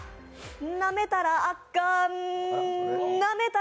なめたらあかん